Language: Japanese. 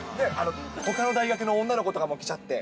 ほかの大学の女の子とかも来ちゃって。